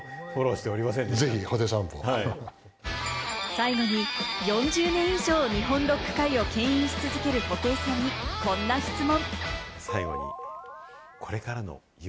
最後に４０年以上、日本ロック界をけん引し続ける布袋さんに、こんな質問。